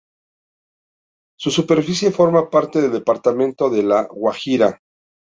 Su superficie forma parte del departamento de la Guajira.